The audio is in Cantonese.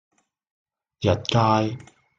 日街